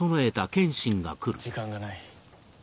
時間がない。